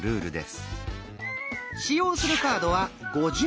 使用するカードは５２枚。